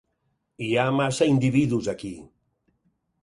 Hi ha massa individus aquí.